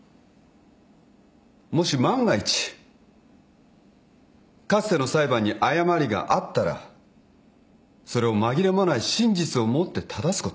もし万が一かつての裁判に誤りがあったらそれを紛れもない真実をもって正すこと。